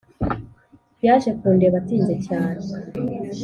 Yaje kundeba atinze cyane